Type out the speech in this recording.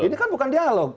ini kan bukan dialog